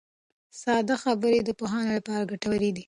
ساده خبرې د پوهاوي لپاره ګټورې دي.